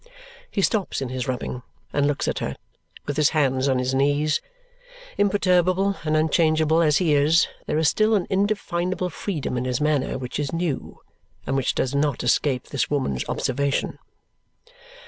He stops in his rubbing and looks at her, with his hands on his knees. Imperturbable and unchangeable as he is, there is still an indefinable freedom in his manner which is new and which does not escape this woman's observation.